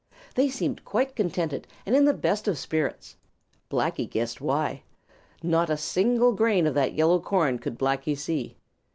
They seemed quite contented and in the best of spirits. Blacky guessed why. Not a single grain of that yellow corn could Blacky see.